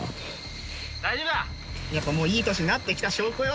もういい年になってきた証拠よ。